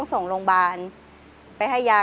สวัสดีครับ